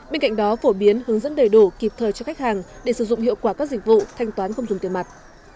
bên cạnh đó phổ biến hướng dẫn đầy đủ kịp thời cho khách hàng để sử dụng hiệu quả các dịch vụ thanh toán không dùng tiền mặt